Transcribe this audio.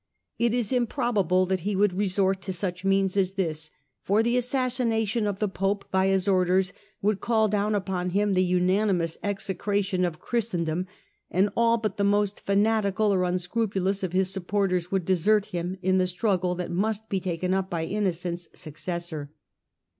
It is im probable that he would resort to such means as this, for the assassination of the Pope by his orders would call down upon him the unanimous execration of Christen dom, and all but the most fanatical or unscrupulous of his supporters would desert him in the struggle that must be taken up by Innocent's successor.